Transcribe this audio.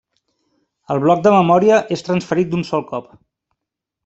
El bloc de memòria és transferit d'un sol cop.